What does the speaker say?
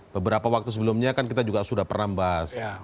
beberapa waktu sebelumnya kan kita juga sudah pernah membahas